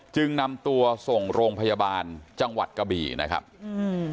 จึงนำตัวส่งโรงพยาบาลจังหวัดกะบี่นะครับอืม